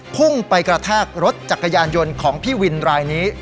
พุ่งไปกระแทกรถจักรยานยนต์ของพี่วินรายนี้